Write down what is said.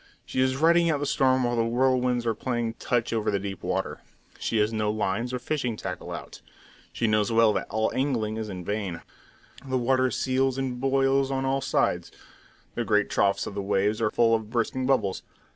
She is riding out the storm while the whirlwinds are playing touch over the deep water. She has no lines or fishing tackle out; she knows well that all angling is in vain. The water seethes and boils on all sides; the grey troughs of the waves are full of bursting bubbles.